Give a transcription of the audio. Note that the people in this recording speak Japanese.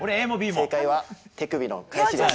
正解は手首の返しです。